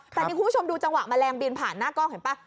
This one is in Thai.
แต่นี่คุณผู้ชมดูจังหวะแมลงบินผ่านหน้ากล้องเห็นป่ะ